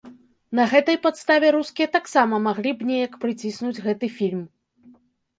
На гэтай падставе рускія таксама маглі б неяк прыціснуць гэты фільм!